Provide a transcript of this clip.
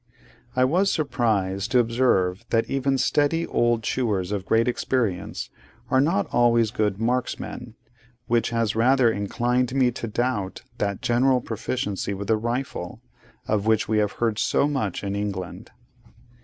I was surprised to observe that even steady old chewers of great experience, are not always good marksmen, which has rather inclined me to doubt that general proficiency with the rifle, of which we have heard so much in England.